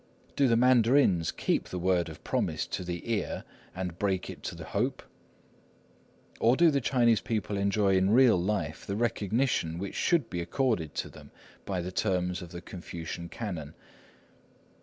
Do the mandarins keep the word of promise to the ear and break it to the hope? Or do the Chinese people enjoy in real life the recognition which should be accorded to them by the terms of the Confucian Canon?